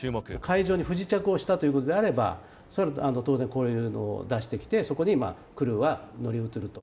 海上に不時着をしたということであれば、それは当然こういうのを出してきて、そこにクルーは乗り移ると。